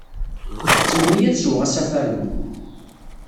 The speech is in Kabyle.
Ḥettmen-iyi ad sweɣ asafar-nni.